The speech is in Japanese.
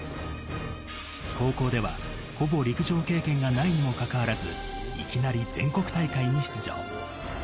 高校ではほぼ陸上経験がないにもかかわらず、いきなり全国大会に出場。